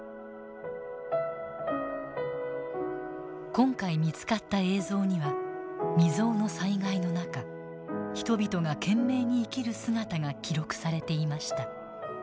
今回見つかった映像には未曽有の災害の中人々が懸命に生きる姿が記録されていました。